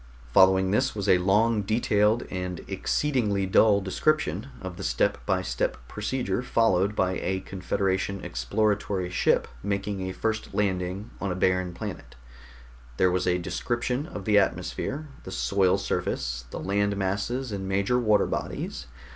Following this was a long, detailed and exceedingly dull description of the step by step procedure followed by a Confederation exploratory ship making a first landing on a barren planet. There was a description of the atmosphere, the soil surface, the land masses and major water bodies.